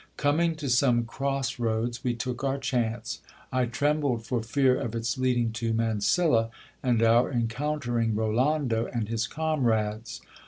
Coming to some cross roads we took our chance. 1 trembled for fear of its leading to Mansilla, and our encountering Rolando and his comrades.